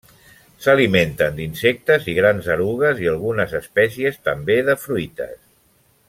S'alimenten d'insectes i grans erugues i algunes espècies també de fruites.